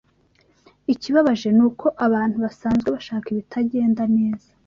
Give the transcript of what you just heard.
Ikibabaje ni uko abantu basanzwe bashaka ibitagenda neza